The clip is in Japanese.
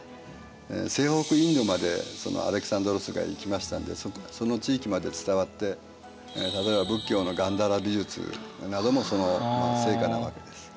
西北インドまでアレクサンドロスが行きましたんでその地域まで伝わって例えば仏教のガンダーラ美術などもその成果なわけです。